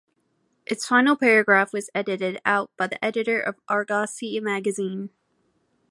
Its final paragraph was edited out by the editor of" Argosy" magazine.